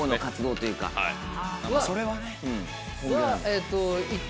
それはね。